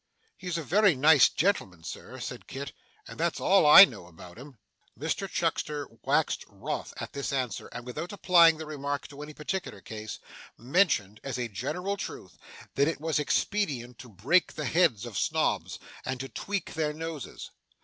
'He is a very nice gentleman, Sir,' said Kit, 'and that's all I know about him.' Mr Chuckster waxed wroth at this answer, and without applying the remark to any particular case, mentioned, as a general truth, that it was expedient to break the heads of Snobs, and to tweak their noses.